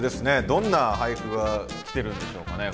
どんな俳句が来てるんでしょうかね